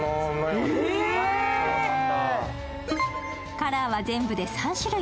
カラーは全部で３種類。